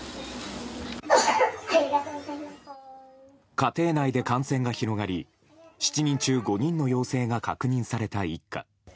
家庭内で感染が広がり７人中５人の陽性が確認された一家。